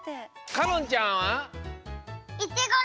かのんちゃんは？